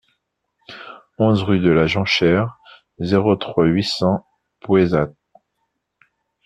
onze rue de la Jonchère, zéro trois, huit cents Poëzat